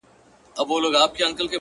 تا پاکه كړې ده’ له هر رنگه غبار کوڅه’